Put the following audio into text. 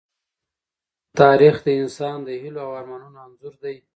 تاریخ د انسان د هيلو او ارمانونو انځور دی.